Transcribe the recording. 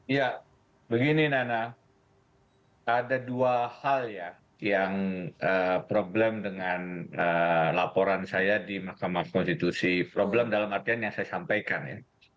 ya begini nana ada dua hal ya yang problem dengan laporan saya di mahkamah konstitusi problem dalam artian yang saya sampaikan ya